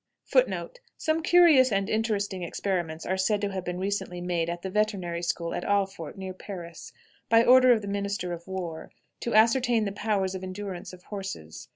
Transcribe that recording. Some curious and interesting experiments are said to have been recently made at the veterinary school at Alfort, near Paris, by order of the minister of war, to ascertain the powers of endurance of horses.